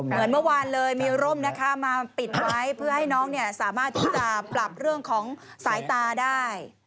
เหมือนเมื่อวานเลยมีร่มนะคะมาปิดไว้เพื่อให้น้องสามารถที่จะปรับเรื่องของสายตาได้